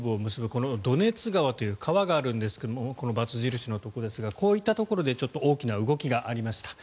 このドネツ川という川があるんですがこのバツ印のところですがこういったところで大きな動きがありました。